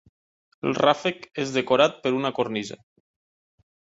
El ràfec és decorat per una cornisa.